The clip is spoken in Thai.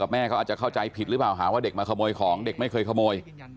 แม่เขาอาจจะเข้าใจผิดหรือเปล่าหาว่าเด็กมาขโมยของเด็กไม่เคยขโมย